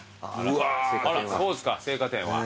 あらそうですか青果店は。